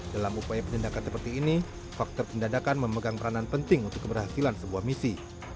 dalam upaya penindakan seperti ini faktor pendadakan memegang peranan penting untuk keberhasilan sebuah misi